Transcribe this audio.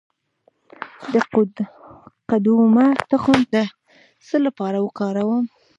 د قدومه تخم د څه لپاره وکاروم؟